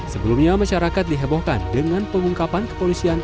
sebelumnya masyarakat dihebohkan dengan pengungkapan kepolisian